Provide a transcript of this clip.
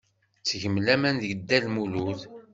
Ttgeɣ laman deg Dda Lmulud.